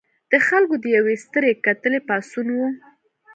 د خلکو د یوې سترې کتلې پاڅون و.